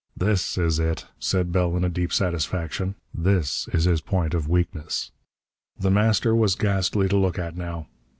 "This is it," said Bell in a deep satisfaction. "This is his point of weakness." The Master was ghastly to look at, now.